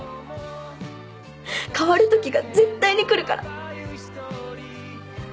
変わる時が絶対に来るから。